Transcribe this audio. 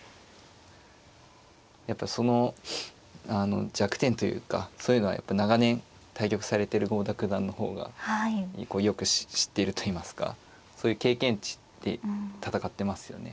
やっぱそのあの弱点というかそういうのはやっぱ長年対局されてる郷田九段の方がよく知っているといいますかそういう経験値で戦ってますよね。